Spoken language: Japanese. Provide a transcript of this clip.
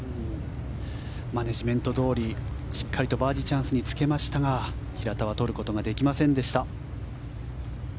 マネジメントどおりしっかりとバーディーチャンスにつけましたが平田は取ることができませんでした。